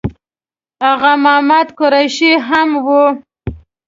آغا محمد قریشي هم و.